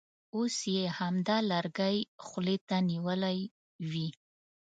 اوس یې همدا لرګی خولې ته نیولی وي.